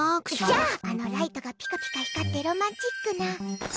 じゃあ、あのライトがピカピカ光ってロマンチックな。